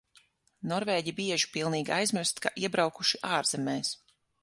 Norvēģi bieži pilnīgi aizmirst, ka iebraukuši ārzemēs.